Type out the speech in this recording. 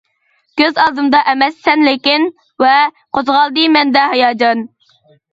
كۆز ئالدىمدا ئەمەس سەن لېكىن، ۋە قوزغالدى مەندە ھاياجان.